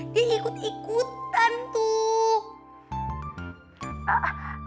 dia ikut ikutan tuh